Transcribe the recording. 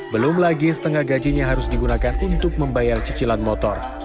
belum lagi setengah gajinya harus digunakan untuk membayar cicilan motor